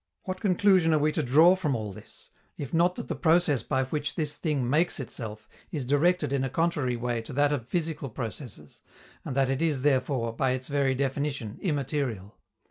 What conclusion are we to draw from all this, if not that the process by which this thing makes itself is directed in a contrary way to that of physical processes, and that it is therefore, by its very definition, immaterial?